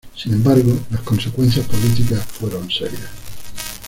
Sin embargo, las consecuencias políticas fueron serias.